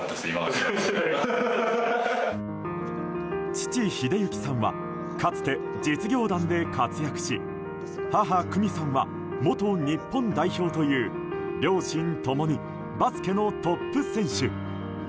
父・英幸さんはかつて実業団で活躍し母・久美さんは元日本代表という両親ともにバスケのトップ選手。